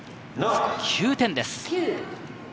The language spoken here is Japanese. ９点です。